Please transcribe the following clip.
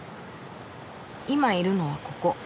今いるのはここ。